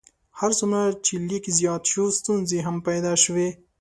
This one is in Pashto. هر څومره چې لیک زیات شو ستونزې هم پیدا شوې.